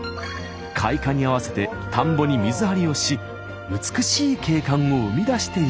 開花に合わせて田んぼに水張りをし美しい景観を生み出しているんです。